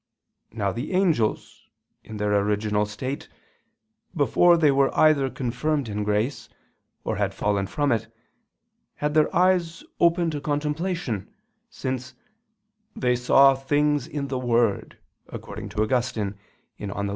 Now the angels, in their original state, before they were either confirmed in grace, or had fallen from it, had their eyes opened to contemplation, since "they saw things in the Word," according to Augustine (Gen. ad lit.